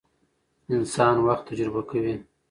انسان وخت تجربه کوي.